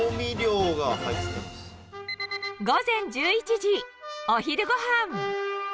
午前１１時、お昼ごはん。